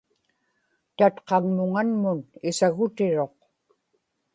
tatqaŋmuŋanmun isagutiruq